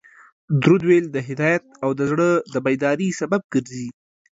درود ویل د هدایت او د زړه د بیداري سبب ګرځي